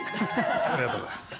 ありがとうございます。